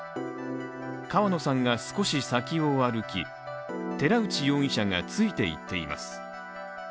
川野さんが少し先を歩き寺内容疑者がついていっています。